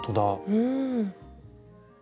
うん。